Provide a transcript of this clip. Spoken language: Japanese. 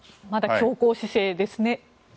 まだ強硬姿勢ですね。